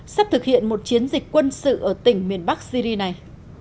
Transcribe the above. sắp thực hiện một chiến dịch quân sự ở tỉnh miền bắc syri này